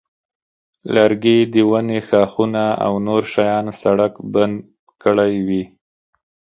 لرګي د ونې ښاخونه او نور شیان سړک بند کړی وي.